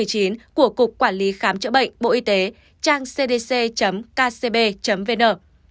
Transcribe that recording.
của cục quản lý khám chữa bệnh bộ y tế trang cdc kcb vn